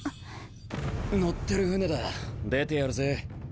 乗ってる船だ出てやるぜ。